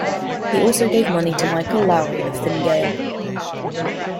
He also gave money to Michael Lowry of Fine Gael.